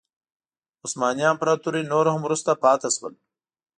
عثماني امپراتوري نور هم وروسته پاتې شول.